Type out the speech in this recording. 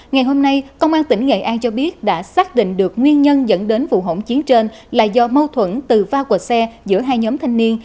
ngày hôm nay công an tỉnh nghệ an cho biết đã xác định được nguyên nhân dẫn đến vụ hỗn chiến trên là do mâu thuẫn từ va quật xe giữa hai nhóm thanh niên